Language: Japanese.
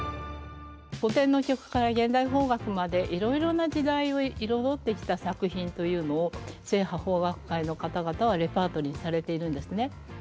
古典の曲から現代邦楽までいろいろな時代を彩ってきた作品というのを正派邦楽会の方々はレパートリーにされているんですね。